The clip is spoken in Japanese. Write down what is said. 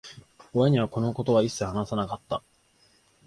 親には、このことは一切話さなかった。